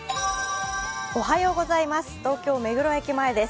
東京・目黒駅前です。